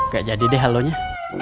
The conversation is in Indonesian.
gak jadi deh halonya